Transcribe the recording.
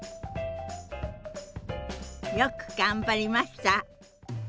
よく頑張りました！